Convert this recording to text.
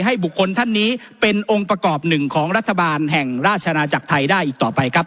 บุคคลท่านนี้เป็นองค์ประกอบหนึ่งของรัฐบาลแห่งราชนาจักรไทยได้อีกต่อไปครับ